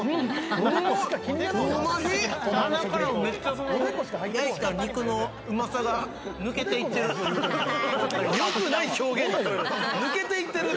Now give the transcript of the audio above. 鼻から、焼いた肉のうまさが抜けていってる。